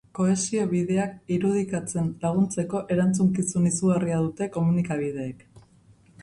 Kohesio bideak irudikatzen laguntzeko erantzukizun izugarria dute komunikabideek.